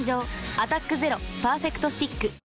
「アタックＺＥＲＯパーフェクトスティック」